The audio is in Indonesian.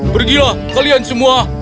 pergilah kalian semua